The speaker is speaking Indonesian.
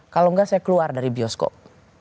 kalau enggak saya keluar dari bioskop